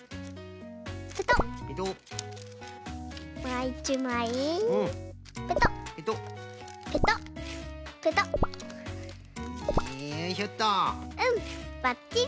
うんばっちり。